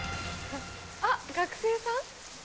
あっ学生さん？